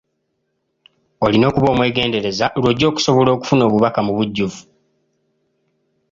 Olina okuba omwegendereza lw’ojja okusobola okufuna obubaka mu bujjuvu.